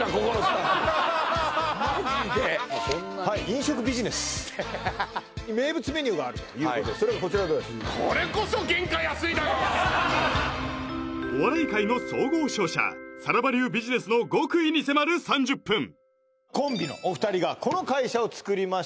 マジではい飲食ビジネスということでそれがこちらでございますお笑い界の総合商社さらば流ビジネスの極意に迫る３０分コンビのお二人がこの会社をつくりました